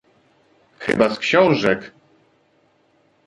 "Chyba z książek?"